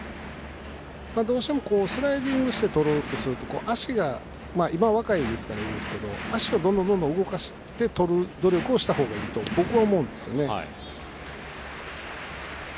どうしてもスライディングしてとろうとすると今は若いからいいですが足をどんどん動かしてとる努力をしたほうがいいと僕は思うんですよね。